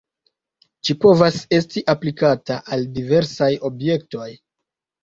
Ĝi povas esti aplikata al diversaj objektoj.